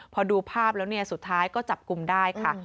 พอดูภาพแล้วเนี่ยสุดท้ายก็จับกลุ่มได้ค่ะ